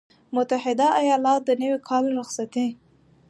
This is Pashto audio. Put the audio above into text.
متحده ایالات - د نوي کال رخصتي